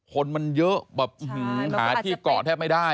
คนมันเยอะแบบหาที่เกาะแทบไม่ได้